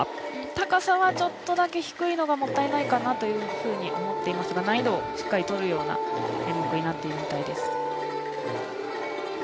高さはちょっとだけ低いのがもったいないのかなと思っていますが、難易度しっかり取るような演目になっているみたいです。